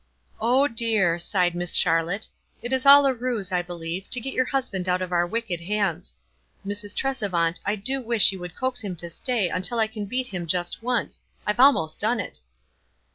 " Oh, dear," sighed Miss Charlotte, " it is all a ruse, I believe, to get your husband out of our wicked hands. Mrs. Tresevant, I do wish you would coax him to stay until I can beat him just once ; I've almost done it."